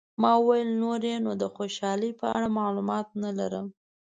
ما وویل، نور یې نو د خوشحالۍ په اړه معلومات نه لرم.